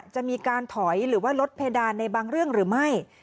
จะมีการถอยหรือว่าลดเพดานในบางเรื่องหรือไม่